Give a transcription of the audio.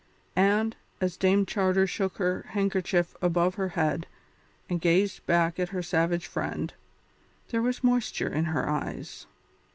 And, as Dame Charter shook her handkerchief above her head and gazed back at her savage friend, there was a moisture in her eyes.